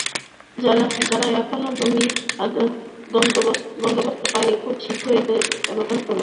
যাঁরা এখনো জমি বন্দোবস্ত পাননি খুব শিগগিরই তাঁদেরটাও হস্তান্তর করা হবে।